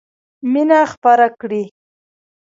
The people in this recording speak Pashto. مینه خپره کړئ!